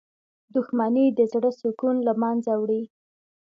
• دښمني د زړه سکون له منځه وړي.